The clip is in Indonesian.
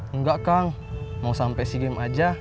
enggak kang mau sampai sea games aja